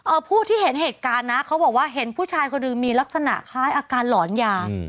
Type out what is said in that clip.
ผู้ที่เห็นเหตุการณ์นะเขาบอกว่าเห็นผู้ชายคนหนึ่งมีลักษณะคล้ายอาการหลอนยาอืม